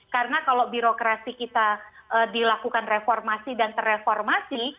karena kalau birokrasi kita dilakukan reformasi dan terreformasi